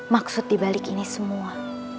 maksud dibalik ini semua